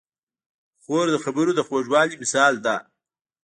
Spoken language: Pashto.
خور د خبرو د خوږوالي مثال ده.